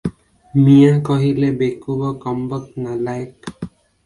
"ମିଆଁ କହିଲେ "ବେକୁବ, କମ୍ବକ୍ତ, ନାଲାଏକ୍" ।